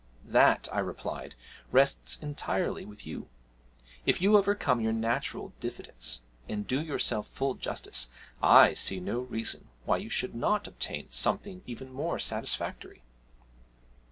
'That,' I replied, 'rests entirely with you. If you overcome your natural diffidence, and do yourself full justice, I see no reason why you should not obtain something even more satisfactory.'